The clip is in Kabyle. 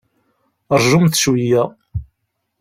Rjumt cweyya!